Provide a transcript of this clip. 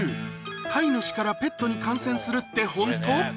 飼い主からペットに感染するってホント？